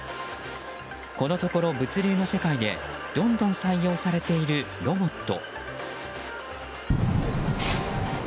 このところ、物流の世界でどんどん採用されているロボット。